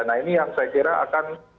nah ini yang saya kira akan